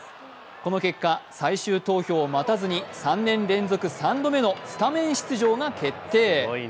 この結果、最終投票を待たずに３年連続３度目のスタメン出場が決定。